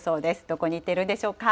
どこに行っているんでしょうか。